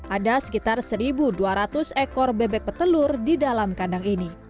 ada sekitar satu dua ratus ekor bebek petelur di dalam kandang ini